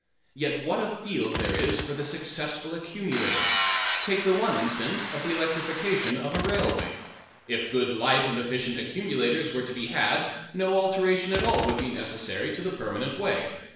Yet what a field there is for the successful accumulator! Take the one instance of the electrification of a railway. If good light and efficient accumulators were to be had, no alteration at all would be necessary to the permanent way.